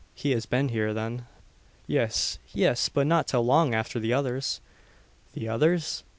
"He has been here, then?" "Yis yis but not till long afther the others." "The others?"